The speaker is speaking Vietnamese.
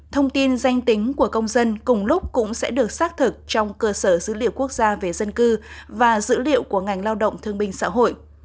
thông tin danh tính của công dân cùng lúc cũng sẽ được xác thực trong cơ sở dữ liệu quốc gia về dân cư và dữ liệu của ngành lao động thương minh xã hội